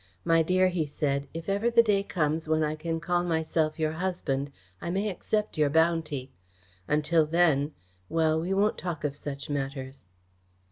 "My dear," he said, "if ever the day comes when I can call myself your husband, I may accept your bounty. Until then well, we won't talk of such matters."